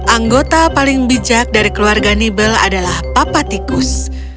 anggota paling bijak dari keluarga nibel adalah papa tikus